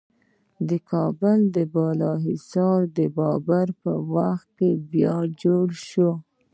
د کابل بالا حصار د بابر په وخت کې بیا جوړ شو